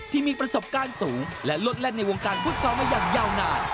ที่มีประสบการณ์สูงและลวดเล่นในวงการฟุตซอลมาอย่างยาวนาน